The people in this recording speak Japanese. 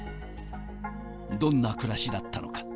どんな暮らしだったのか。